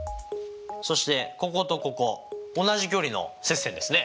そしてこことここ同じ距離の接線ですね。